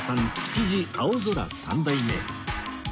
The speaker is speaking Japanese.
築地青空三代目